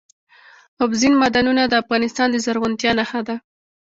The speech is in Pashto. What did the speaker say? اوبزین معدنونه د افغانستان د زرغونتیا نښه ده.